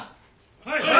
はい！